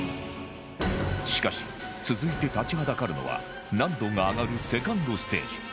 しかし続いて立ちはだかるのは難度が上がる ２ｎｄ ステージ